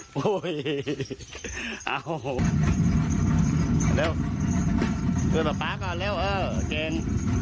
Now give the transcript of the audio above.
ช่วยกับป๊าก่อนเร็วเออเก่ง